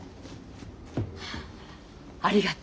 ありがと。